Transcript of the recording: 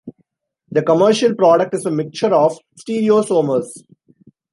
The commercial product is a mixture of stereoisomers.